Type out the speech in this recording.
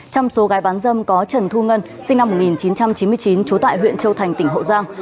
trong số gái bán dâm có trần thu ngân sinh năm một nghìn chín trăm chín mươi chín trú tại huyện châu thành tỉnh hậu giang